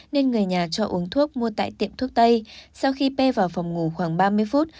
nên người nhà cho uống thuốc mua tại tiệm thuốc tây sau khi p vào phòng ngủ khoảng ba mươi phút